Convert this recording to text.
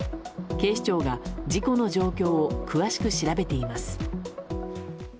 警視庁が事故の状況を詳しく調べています。